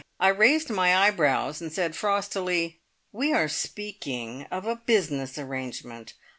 I raised my eyebrows, and said frostily: "We are speaking of a business arrangement.